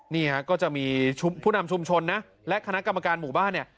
นี่ฮะก็จะมีผู้นำชุมชนนะและคณะกรรมการหมู่บ้านเนี่ย